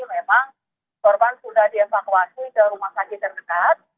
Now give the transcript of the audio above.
memang korban sudah dievakuasi ke rumah sakit terdekat